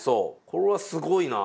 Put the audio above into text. これはすごいな。